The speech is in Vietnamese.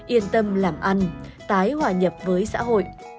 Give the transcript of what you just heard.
yên tâm làm ăn tái hòa nhập với xã hội